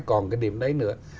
còn cái điểm đấy nữa